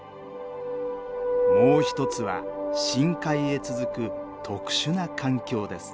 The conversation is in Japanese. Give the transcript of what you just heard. もう一つは深海へ続く特殊な環境です。